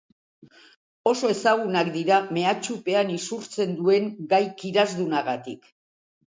Oso ezagunak dira mehatxupean isurtzen duen gai kirasdunagatik.